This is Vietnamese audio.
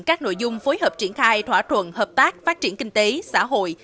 các nội dung phối hợp triển khai thỏa thuận hợp tác phát triển kinh tế xã hội